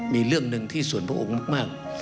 มีเรื่องหนึ่งที่ส่วนพระองค์มาก